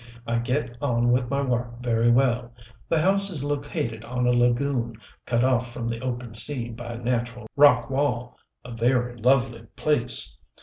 I get on with my work very well. The house is located on a lagoon, cut off from the open sea by a natural rock wall a very lovely place.